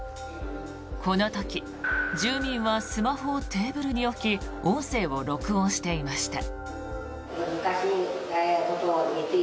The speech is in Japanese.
この時住民はスマホをテーブルに置き音声を録音していました。